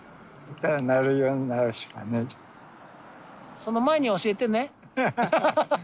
その前に教えてね。